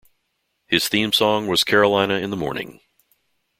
His theme song was Carolina in the Morning.